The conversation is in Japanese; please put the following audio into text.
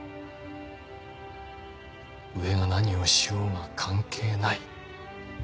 上が何をしようが関係ない。